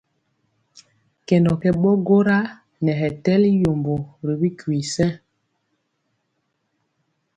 Kɛndɔ ɓo gwora nɛ hɛ tɛli yombo ri bikwi sɛŋ.